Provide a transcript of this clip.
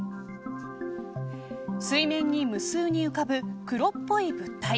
水面に無数に浮かぶ黒っぽい物体。